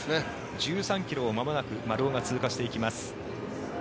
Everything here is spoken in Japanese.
１３ｋｍをまもなく丸尾が通過していきます。